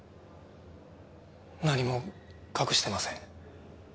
何も隠してません。